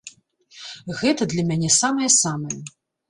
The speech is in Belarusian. Гэта для мяне самае-самае!